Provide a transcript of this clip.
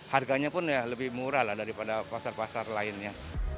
harganya pun ya lebih murah lah daripada pasar pasar lainnya